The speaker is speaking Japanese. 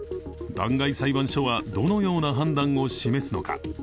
弾劾裁判所はどのような判断を示すのか。